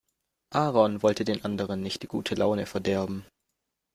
Aaron wollte den anderen nicht die gute Laune verderben.